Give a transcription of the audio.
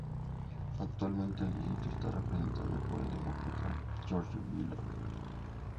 Actualmente el distrito está representado por el Demócrata George Miller.